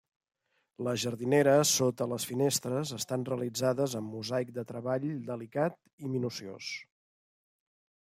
Les jardineres sota les finestres estan realitzades en mosaic de treball delicat i minuciós.